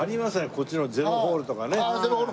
こっちのＺＥＲＯホールとかね。